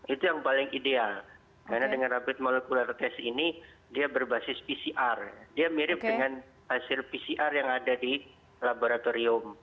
itu yang paling ideal karena dengan rapid molekular test ini dia berbasis pcr dia mirip dengan hasil pcr yang ada di laboratorium